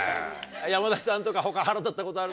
山田さんとか他腹立ったことある？